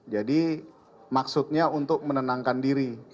jadi maksudnya untuk menenangkan diri